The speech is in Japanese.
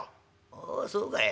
「おおそうかい。